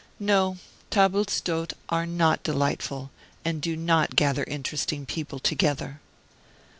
No, tables d'hote are not delightful, and do not gather interesting people together.